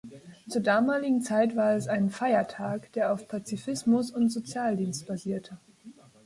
Zur damaligen Zeit war es ein Feiertag, der auf Pazifismus und Sozialdienst basierte.